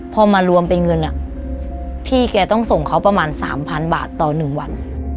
พอมารวมเป็นเงินอ่ะพี่แกต้องส่งเขาประมาณสามพันบาทต่อหนึ่งวัน